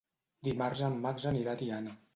Dimarts en Max anirà a Tiana.